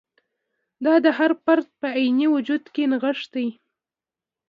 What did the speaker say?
دا د هر فرد په عیني وجود کې نغښتی.